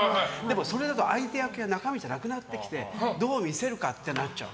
それだと相手役や中身じゃなくなってきてどう見せるかってなっちゃう。